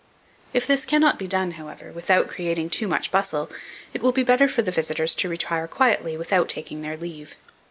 If this cannot be done, however, without creating too much bustle, it will be better for the visitors to retire quietly without taking their leave.